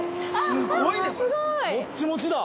すごい！◆もっちもちだ！